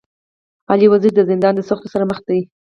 علي وزير د زندان د سختو سره مخ دی.